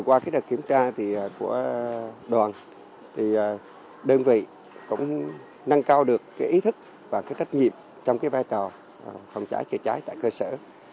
qua đợt kiểm tra của đoàn thì đơn vị cũng nâng cao được ý thức và trách nhiệm trong vai trò phòng cháy chữa cháy tại cơ sở